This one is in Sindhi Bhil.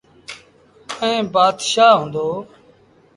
ائيٚݩ بآتشآه هُݩدو۔